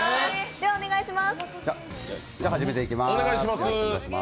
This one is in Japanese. では、お願いします。